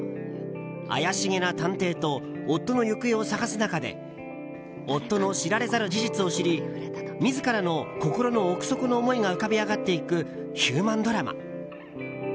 怪しげな探偵と夫の行方を捜す中で夫の知られざる事実を知り自らの心の奥底の思いが浮かび上がっていくヒューマンドラマ。